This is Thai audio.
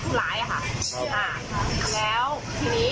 เหตุการณ์เราเกิดได้อยู่ในโลยบุรี